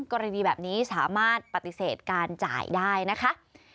กรณีแบบนี้สามารถปฏิเสธการจ่ายได้นะคะ